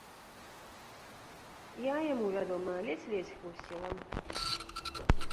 Я яму, вядома, ледзь-ледзь схлусіла.